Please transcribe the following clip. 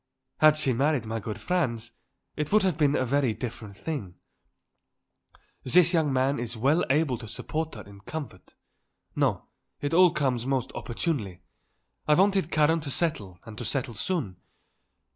Had she married my good Franz, it would have been a very different thing. This young man is well able to support her in comfort. No; it all comes most opportunely. I wanted Karen to settle and to settle soon.